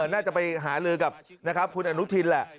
น่าจะไปหาลือกับคุณอนุทินแหละ